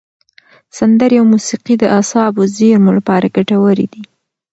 سندرې او موسیقي د اعصابو زېرمو لپاره ګټورې دي.